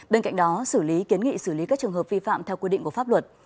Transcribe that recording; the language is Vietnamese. bên cạnh đó xử lý kiến nghị xử lý các trường hợp vi phạm theo quy định của pháp luật